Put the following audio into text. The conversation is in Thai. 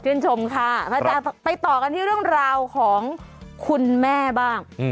ค่ะอาจารย์ไปต่อกันที่เรื่องราวของคุณแม่บ้าง